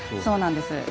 そうなんです。